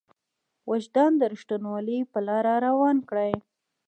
وجدان د رښتينولۍ په لاره روان کړي.